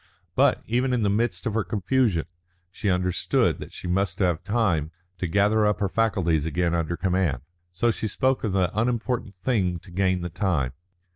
But, even in the midst of her confusion, she understood that she must have time to gather up her faculties again under command. So she spoke of the unimportant thing to gain the time.